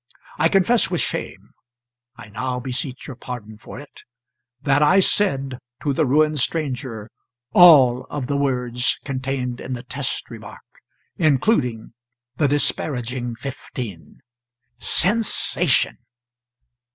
I confess with shame and I now beseech your pardon for it that I said to the ruined stranger all of the words contained in the test remark, including the disparaging fifteen. [Sensation.